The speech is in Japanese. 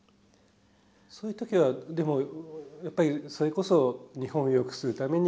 そういう時はでもやっぱりそれこそ日本をよくするために必要なことだ。